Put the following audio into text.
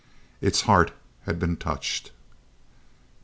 Its heart had been touched.